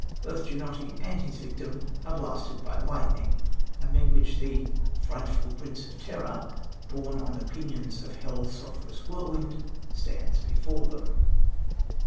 Both Ginotti and his victim are blasted by lightning, amid which the "frightful prince of terror, borne on the pinions of hell's sulphurous whirlwind," stands before them.